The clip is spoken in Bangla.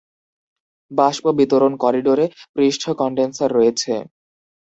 বাষ্প বিতরণ করিডোরে পৃষ্ঠ কন্ডেনসার রয়েছে।